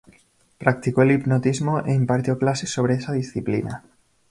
Practicó el hipnotismo e impartió clases sobre esa disciplina.